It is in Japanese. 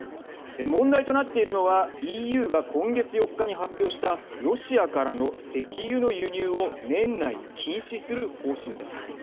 問題となっているのはＥＵが今月４日に発表したロシアからの石油の輸入を年内に禁止する方針です。